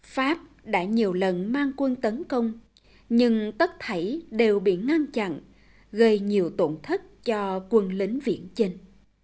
pháp đã nhiều lần mang quân tấn công nhưng tất thảy đều bị ngăn chặn gây nhiều tổn thất cho quân lính viễn trên